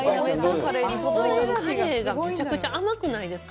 カレイがめちゃくちゃ甘くないですか。